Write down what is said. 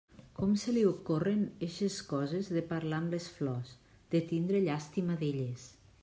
Com se li ocorren eixes coses de parlar amb les flors, de tindre llàstima d'elles?